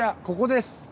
ここです。